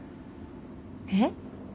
えっ？